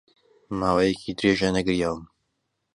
ماوەیەکی درێژە نەگریاوم.